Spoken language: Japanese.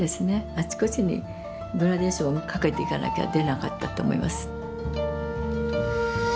あちこちにグラデーションをかけていかなきゃ出なかったと思います。